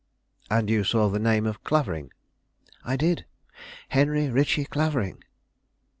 "And you saw the name of Clavering?" "I did; Henry Ritchie Clavering."